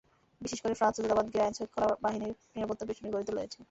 বিশেষ করে ফ্রান্স দূতাবাস ঘিরে আইনশৃঙ্খলা বাহিনীর নিরাপত্তাবেষ্টনী গড়ে তোলা হয়েছে।